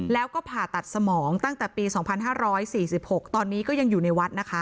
แล้วก็ผ่าตัดสมองตั้งแต่ปี๒๕๔๖ตอนนี้ก็ยังอยู่ในวัดนะคะ